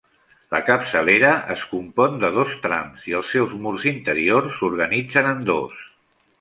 La capçalera es compon de dos trams i els seus murs interiors s'organitzen en dos.